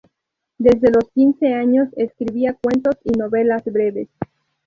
Desde los quince años escribía cuentos y novelas breves.